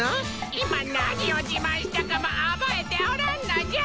今何を自慢したかも覚えておらんのじゃ！